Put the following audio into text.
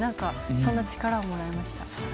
そんな力をもらいました。